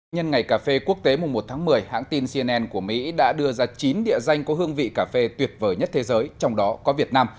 nhân ngày cà phê quốc tế mùng một tháng một mươi hãng tin cnn của mỹ đã đưa ra chín địa danh có hương vị cà phê tuyệt vời nhất thế giới trong đó có việt nam